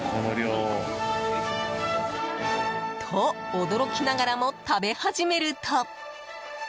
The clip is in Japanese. と、驚きながらも食べ始めると。